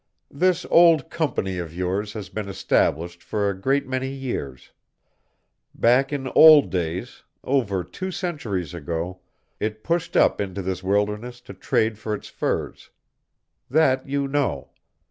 "This old Company of yours has been established for a great many years. Back in old days, over two centuries ago, it pushed up into this wilderness to trade for its furs. That you know.